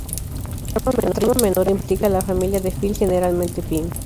La trama menor, implica a la familia de Phil, generalmente Pim.